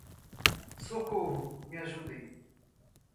Socorro, me ajudem!